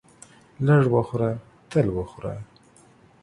لږ وخوره تل وخوره.